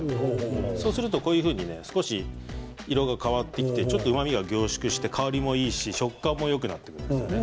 そうするとこういうふうに色が変わってきてうまみが凝縮して香りもいいし食感もよくなるんですね。